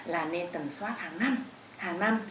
là nên tầm soát hàng năm